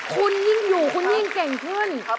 คุณยิ่งอยู่คุณยิ่งเก่งขึ้น